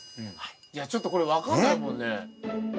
いやちょっとこれ分かんないもんね。ね？